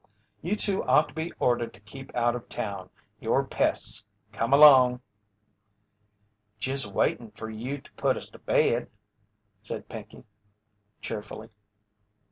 "You two ought to be ordered to keep out of town. You're pests. Come along!" "Jus' waitin' fer you t'put us t'bed," said Pinkey, cheerfully.